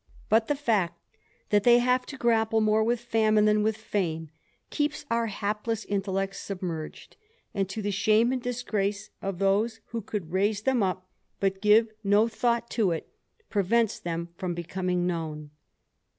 But the fact that they have to grapple more with famine than with fame, keeps our hapless intellects submerged, and, to the shame and disgrace of those who could raise them up but give no thought to it, prevents them from becoming known.